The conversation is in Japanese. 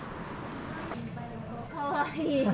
かわいい。